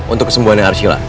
untuk kesembuhan yang harus silah